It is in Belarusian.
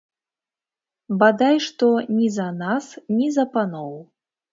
Бадай што ні за нас, ні за паноў.